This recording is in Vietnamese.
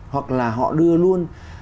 hoặc là họ đưa luôn